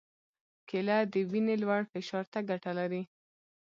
کېله د وینې لوړ فشار ته ګټه لري.